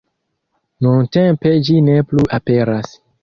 Nuntempe ĝi ne plu aperas.